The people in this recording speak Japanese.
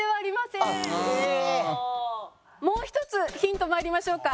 もう１つヒントまいりましょうか。